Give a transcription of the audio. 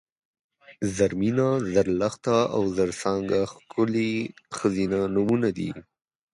زرمېنه ، زرلښته او زرڅانګه ښکلي ښځینه نومونه دي